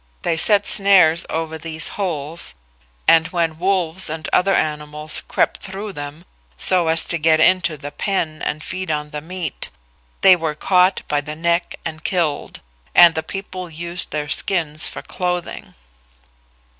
They set snares over these holes, and when wolves and other animals crept through them so as to get into the pen and feed on the meat they were caught by the neck and killed, and the people used their skins for clothing.